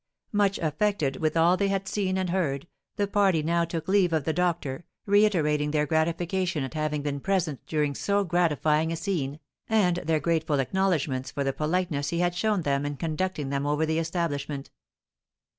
Much affected with all they had seen and heard, the party now took leave of the doctor, reiterating their gratification at having been present during so gratifying a scene, and their grateful acknowledgments for the politeness he had shown them in conducting them over the establishment.